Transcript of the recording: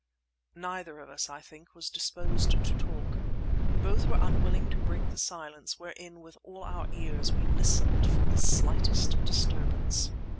Neither of us, I think, was disposed to talk. We both were unwilling to break the silence, wherein, with all our ears, we listened for the slightest disturbance.